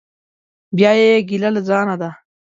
بیا یې ګیله له ځانه ده.